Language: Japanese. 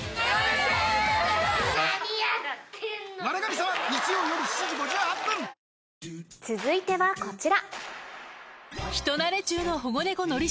さらに続いてはこちら！